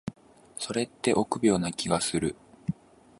それって臆病って気がする。